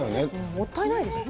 もったいないですよね。